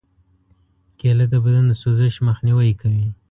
کېله د بدن د سوزش مخنیوی کوي.